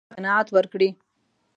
څوک به دوی ته قناعت ورکړي؟